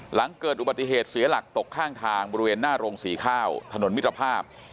หลังเกิดอุบัติเหตุเสียหลักตกข้างทางบริเวณหน้าโรงสีข้าวถนนมิตรภาพ